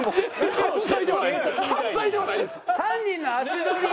犯人の足取り。